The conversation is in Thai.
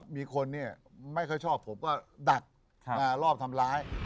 มีคนไม่ค่อยชอบผมก็ดักรอบทำร้าย